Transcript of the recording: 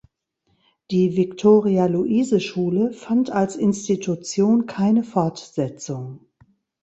Die Viktoria-Luise-Schule fand als Institution keine Fortsetzung.